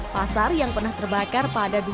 pasar kelewer ini adalah perjalanan yang lebih mudah